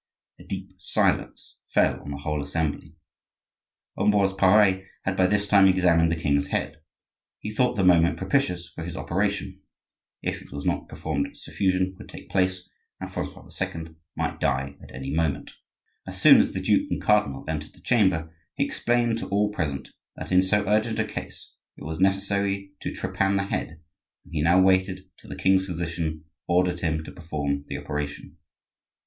A deep silence fell on the whole assembly. Ambroise Pare had by this time examined the king's head; he thought the moment propitious for his operation; if it was not performed suffusion would take place, and Francois II. might die at any moment. As soon as the duke and cardinal entered the chamber he explained to all present that in so urgent a case it was necessary to trepan the head, and he now waited till the king's physician ordered him to perform the operation.